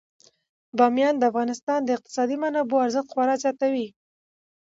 بامیان د افغانستان د اقتصادي منابعو ارزښت خورا ډیر زیاتوي.